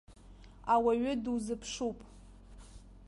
Ауаҩы дузыԥшуп.